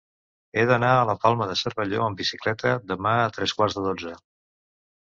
He d'anar a la Palma de Cervelló amb bicicleta demà a tres quarts de dotze.